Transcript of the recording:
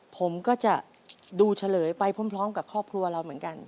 ผมก็จะดูเฉลยไปพร้อมกับครอบครัวเราเหมือนกัน